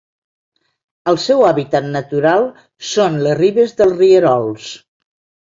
El seu hàbitat natural són les ribes dels rierols.